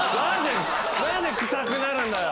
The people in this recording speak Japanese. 何で臭くなるんだよ！